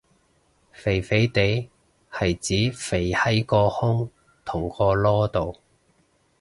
肥肥哋係指肥喺個胸同個籮度